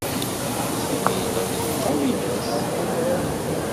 Sami yella deg uxxam-nnes.